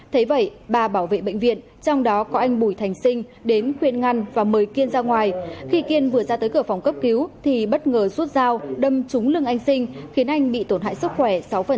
thế vậy bà bảo vệ bệnh viện trong đó có anh bùi thành sinh đến khuyên ngăn và mời kiên ra ngoài khi kiên vừa ra tới cửa phòng cấp cứu thì bất ngờ rút dao đâm trúng lưng anh sinh khiến anh bị tổn hại sức khỏe sáu